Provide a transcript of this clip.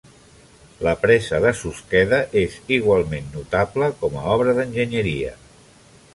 La presa de Susqueda és igualment notable com a obra d'enginyeria.